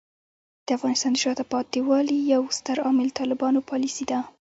د افغانستان د شاته پاتې والي یو ستر عامل طالبانو پالیسۍ دي.